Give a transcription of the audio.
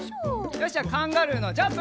よしじゃあカンガルーのジャンプ！